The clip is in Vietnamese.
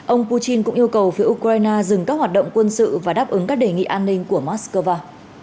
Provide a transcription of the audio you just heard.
ông putin cũng yêu cầu phía ukraine dừng các hoạt động quân sự và đáp ứng các đề nghị an ninh của mắc cơ va